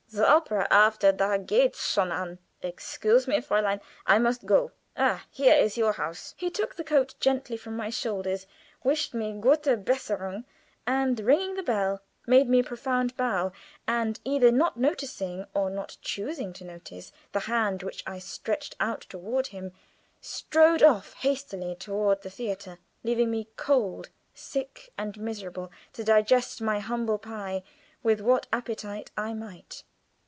The opera da geht's schon an! Excuse me, Fräulein, I must go. Ah, here is your house." He took the coat gently from my shoulders, wished me gute besserung, and ringing the bell, made me a profound bow, and either not noticing or not choosing to notice the hand which I stretched out toward him, strode off hastily toward the theater, leaving me cold, sick, and miserable, to digest my humble pie with what appetite I might.